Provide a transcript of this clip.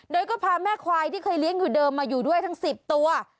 โดยก็พาแม่ควายที่เคยเลี้ยงอยู่เดิมมาอยู่ด้วยทั้ง๑๐ตัว